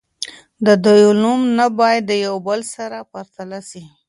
د دوی علوم نه باید د یو بل سره پرتله سي.